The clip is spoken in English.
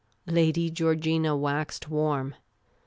Lady Georgina waxed warm.